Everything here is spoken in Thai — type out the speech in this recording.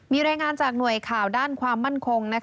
มีรายงานจากหน่วยข่าวด้านความมั่นคง